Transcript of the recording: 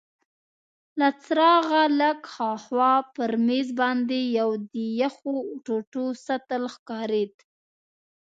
له څراغه لږ هاخوا پر مېز باندي یو د یخو ټوټو سطل ښکارید.